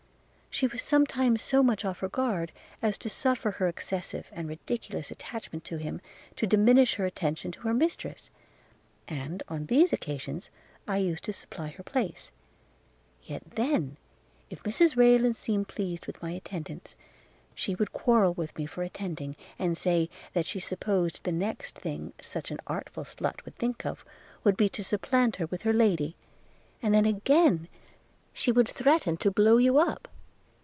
– She was sometimes so much off her guard, as to suffer her excessive and ridiculous attachment to him to diminish her attention to her mistress, and, on these occasions, I used to supply her place; – yet then, if Mrs Rayland seemed pleased with my attendance, she would quarrel with me for attending, and say, that she supposed the next thing such an artful slut would think of, would be to supplant her with her lady; and then again she would threaten to blow you up.